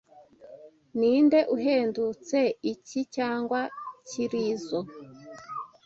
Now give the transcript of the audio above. Ninde uhendutse, iki cyangwa kirizoa?